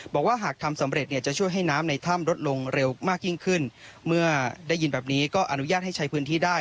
บอกว่าหากทำสำเร็จเนี่ยจะช่วยให้น้ำในถ้ำลดลงเร็วมากยิ่งขึ้นเมื่อได้ยินแบบนี้ก็อนุญาตให้ใช้พื้นที่ได้